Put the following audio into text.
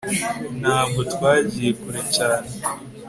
ntabwo twagiye kure cyane